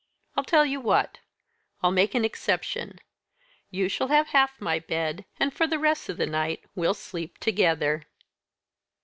I'll tell you what I'll make an exception! you shall have half my bed, and for the rest of the night we'll sleep together."